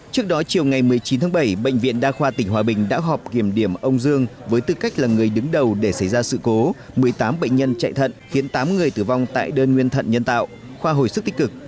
trước đó chiều ngày một mươi chín tháng bảy bệnh viện đa khoa tỉnh hòa bình đã họp kiểm điểm ông dương với tư cách là người đứng đầu để xảy ra sự cố một mươi tám bệnh nhân chạy thận khiến tám người tử vong tại đơn nguyên thận nhân tạo khoa hồi sức tích cực